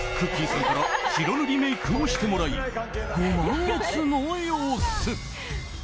さんから白塗りメイクをしてもらいご満悦の様子。